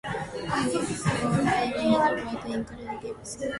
The gifts were varied, but included gifts from Noe.